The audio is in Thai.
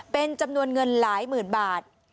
เป็นจำนวนเงินหลายหมื่นบาท